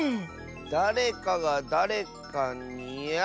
だれかがだれかにあ！